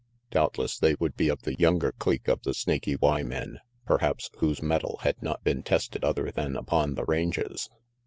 Doubtless they would be of the younger clique of the Snaky Y men, perhaps whose mettle had not been tested other than upon the ranges.